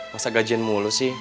masa gajian mulu sih